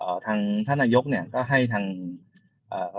ทางท่านนายกเนี่ยก็ให้ทางเอ่อ